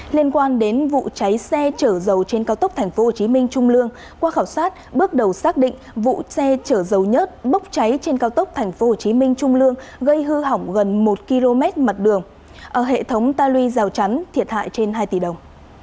liên quan đến vụ cháy xe chở dầu trên cao tốc tp hcm trung lương qua khảo sát bước đầu xác định vụ xe chở dầu nhất bốc cháy trên cao tốc tp hcm trung lương gây hư hỏng gần một km mặt đường hệ thống ta lui rào chắn thiệt hại trên hai tỷ đồng